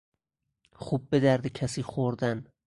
خوب به درد کسی خوردن